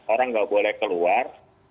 orang nggak boleh keluar